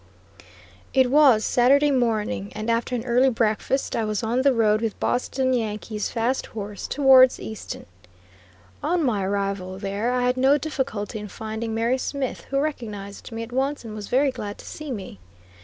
It was Saturday morning, and after an early breakfast I was on the road with Boston Yankee's fast horse; towards Easton. On my arrival there I had no difficulty in finding Mary Smith, who recognized me at once, and was very glad to see me.